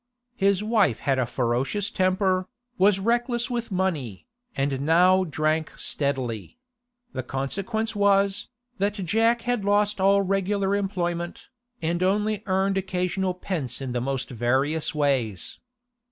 His wife had a ferocious temper, was reckless with money, and now drank steadily; the consequence was, that Jack had lost all regular employment, and only earned occasional pence in the most various ways.